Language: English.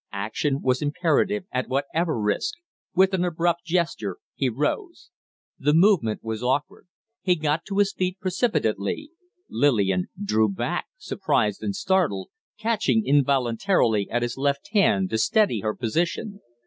Action was imperative, at whatever risk. With an abrupt gesture he rose. The movement was awkward. He got to his feet precipitately; Lillian drew back, surprised and startled, catching involuntarily at his left hand to steady her position.